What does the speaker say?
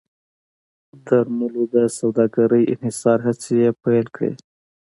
درملو د سوداګرۍ انحصار هڅې یې پیل کړې.